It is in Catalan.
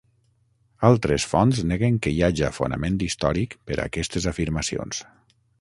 Altres fonts neguen que hi haja fonament històric per a aquestes afirmacions.